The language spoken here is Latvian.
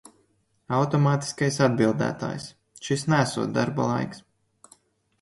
Automātiskais atbildētājs, šis neesot darba laiks.